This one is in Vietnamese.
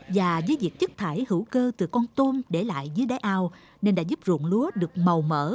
và với việc chất thải hữu cơ từ con tôm để lại dưới đáy ao nên đã giúp ruộng lúa được màu mở